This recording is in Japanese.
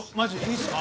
いいっすか？